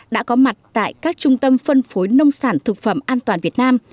đã có mặt tại các trung tâm phân phối nông sản thực phẩm an toàn việt nam